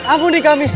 ampun di kami